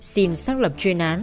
xin xác lập chuyên án